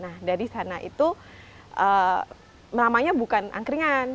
nah dari sana itu namanya bukan angkringan